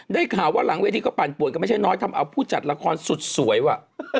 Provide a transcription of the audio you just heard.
ได้ข่าวว่าหลังเวทีก็ปั่นป่วนกันไม่ใช่น้อยทำเอาผู้จัดละครสุดสวยว่ะ